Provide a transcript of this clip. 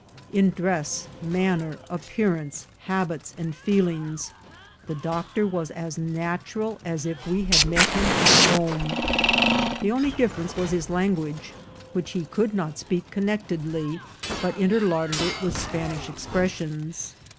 In dress, manner, appearance, habits, and feelings, the doctor was as natural as if we had met him at home. The only difference was his language, which he could not speak connectedly, but interlarded it with Spanish expressions.